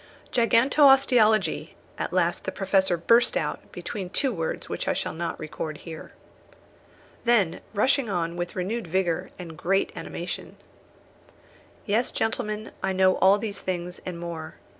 "Gigantosteologie," at last the Professor burst out, between two words which I shall not record here. Then rushing on with renewed vigour, and with great animation: "Yes, gentlemen, I know all these things, and more.